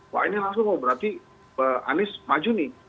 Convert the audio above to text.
wah ini langsung oh berarti anies maju nih